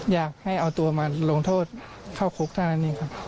อยากให้เอาตัวมาลงโทษเข้าคุกเท่านั้นเองครับ